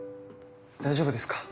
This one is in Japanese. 大丈夫ですか？